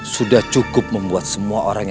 sampai jumpa di video selanjutnya